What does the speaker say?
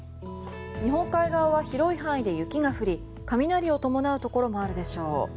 日本海側は広い範囲で雪が降り雷を伴うところもあるでしょう。